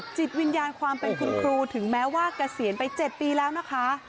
จิตวิญญาณความเป็นคุณครูถึงแม้ว่าเกษียณไป๗ปีแล้วนะคะ